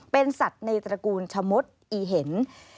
เป็นสัตว์ในตระกูลชะมดอีเห็น